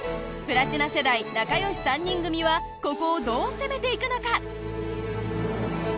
プラチナ世代仲良し３人組はここをどう攻めていくのか？